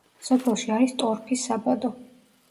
სოფელში არის ტორფის საბადო.